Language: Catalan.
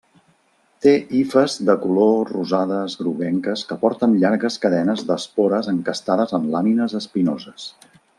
Té hifes de color rosades groguenques que porten llargues cadenes d'espores encastades en làmines espinoses.